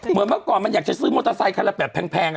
เหมือนเมื่อก่อนมันอยากจะซื้อมอเตอร์ไซต์คันแพง